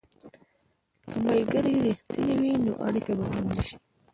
که ملګري رښتیني وي، نو اړیکه به ټینګه شي.